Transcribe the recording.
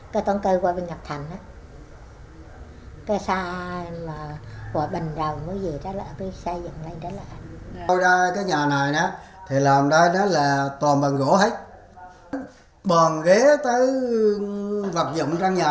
cái tính như thế nào ạ